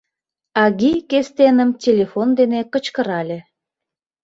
Аги Кестеным телефон дене кычкырале.